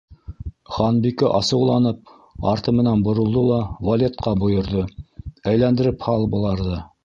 Ханбикә асыуланып, арты менән боролдо ла, Валетҡа бойорҙо: —Әйләндереп һал быларҙы!